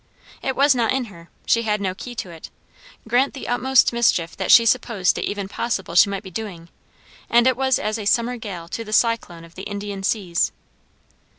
It was not in her; she had no key to it; grant the utmost mischief that she supposed it even possible she might be doing, and it was as a summer gale to the cyclone of the Indian seas.